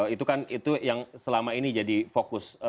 itu kan itu yang selama ini jadi fokus